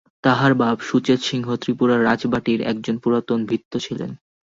তাঁহার বাপ সুচেতসিংহ ত্রিপুরার রাজবাটীর একজন পুরাতন ভৃত্য ছিলেন।